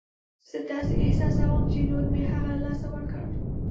زه داسې احساسوم چې نور مې هغه له لاسه ورکړ.